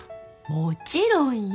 もちろんよ。